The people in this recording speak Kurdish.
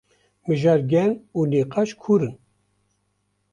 Mijar germ û nîqaş kûr in.